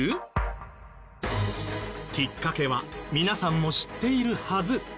きっかけは皆さんも知っているはず。